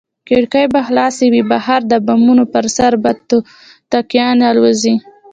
کړکۍ به خلاصې وي، بهر د بامونو پر سر به توتکیانې الوزي.